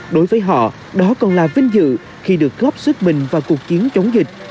đối với họ đó còn là vinh dự khi được góp sức mình vào cuộc chiến chống dịch